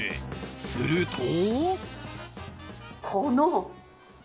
すると。